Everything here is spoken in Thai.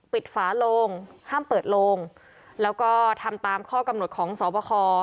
ฝาโลงห้ามเปิดโลงแล้วก็ทำตามข้อกำหนดของสวบค